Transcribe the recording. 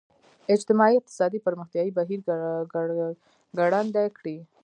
اجتماعي اقتصادي پرمختیايي بهیر ګړندی کړي.